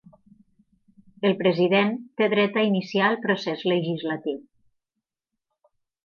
El President té dret a iniciar el procés legislatiu.